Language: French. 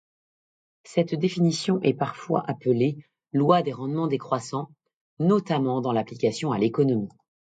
Cette définition est parfois appelée loi des rendements décroissants, notamment dans l'application à l'économie.